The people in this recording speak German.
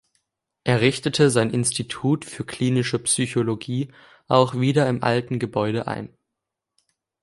Er richtete sein "Institut für klinische Psychologie" auch wieder im alten Gebäude ein.